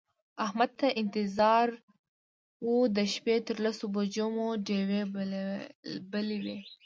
احمد ته انتظار و د شپې تر لسو بجو مو ډېوې بلې وې.